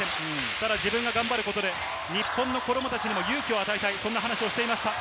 ただ自分が頑張ることで、日本の子どもたちにも勇気を与えたいと話していました。